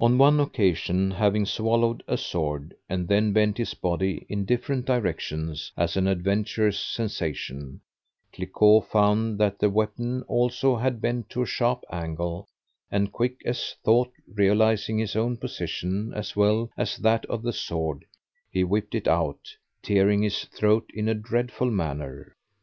On one occasion having swallowed a sword, and then bent his body in different directions, as an adventurous sensation, Cliquot found that the weapon also had bent to a sharp angle; and quick as thought, realizing his own position as well as that of the sword, he whipped it out, tearing his throat in a dreadful manner.